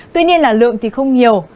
tuy nhiên là lượng thì không nhiều